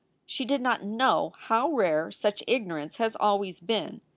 She did not know how rare such ignorance has always been.